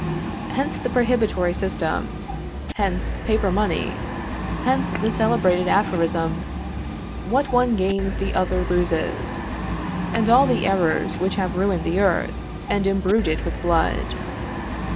Hence the prohibitory system; hence paper money; hence the celebrated aphorism, "What one gains the other loses;" and all the errors which have ruined the earth, and imbrued it with blood.